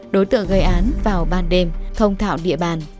đối tượng gây án vào ban đêm thông thảo địa bàn